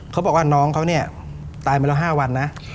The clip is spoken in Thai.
เขาบอกว่าน้องเขาเนี่ยตายมาแล้ว๕วันนะ